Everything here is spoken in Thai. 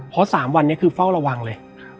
เพราะ๓วันนี้คือเฝ้าระวังเลย